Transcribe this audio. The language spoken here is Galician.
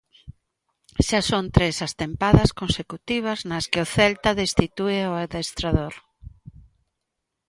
Xa son tres as tempadas consecutivas nas que o Celta destitúe o adestrador.